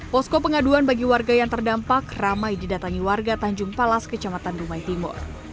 posko pengaduan bagi warga yang terdampak ramai didatangi warga tanjung palas kecamatan rumai timur